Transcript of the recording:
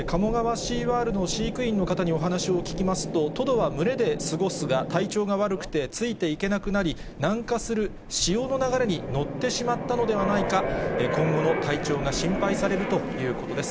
シーワールドの飼育員の方にお話を聞きますと、トドは群れで過ごすが、体調が悪くてついていけなくなり、南下する潮の流れに乗ってしまったのではないか、今後の体調が心配されるということです。